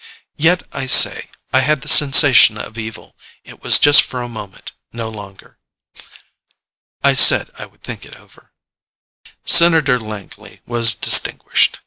Yet, I say, I had the sensation of evil. It was just for a moment; no longer. I said I would think it over. Senator Langley was distinguished.